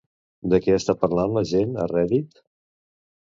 De què està parlant la gent a Reddit?